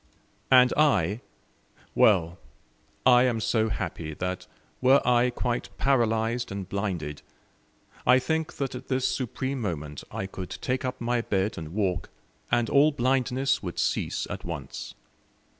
And I? Well, I am so happy that, were I quite paralyzed and blinded, I think that at this supreme moment I could take up my bed and walk, and all blindness would cease at once.